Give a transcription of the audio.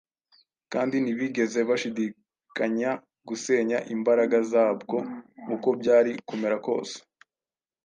kandi ntibigeze bashidikanya gusenya imbaraga zabwo uko byari kumera kose.